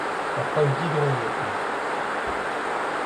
Ur paotr didro eo eñ.